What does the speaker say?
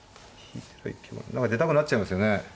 何か出たくなっちゃいますよね。